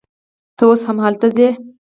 ته اوس هم هلته ځې